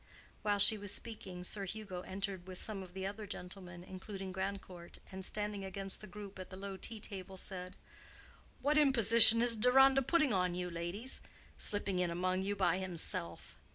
While she was speaking, Sir Hugo entered with some of the other gentlemen, including Grandcourt, and standing against the group at the low tea table said, "What imposition is Deronda putting on you, ladies—slipping in among you by himself?"